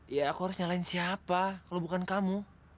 ya aku harus nyalain siapa kalau bukan kamu